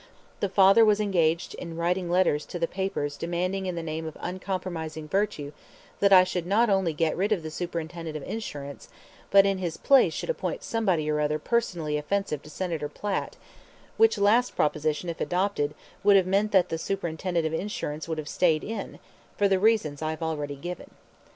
The father was engaged in writing letters to the papers demanding in the name of uncompromising virtue that I should not only get rid of the Superintendent of Insurance, but in his place should appoint somebody or other personally offensive to Senator Platt which last proposition, if adopted, would have meant that the Superintendent of Insurance would have stayed in, for the reasons I have already given.